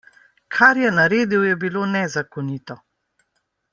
Kar je naredil, je bilo nezakonito.